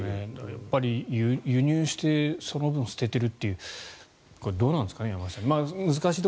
やっぱり輸入してその分、捨ててるというどうなんですかね山口さん。